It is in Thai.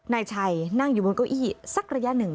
นายชัยนั่งอยู่บนเก้าอี้สักระยะหนึ่ง